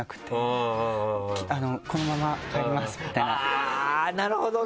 あぁなるほどね！